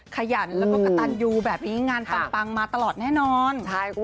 ขยันแล้วก็กระตันยูแบบนี้งานปังมาตลอดแน่นอน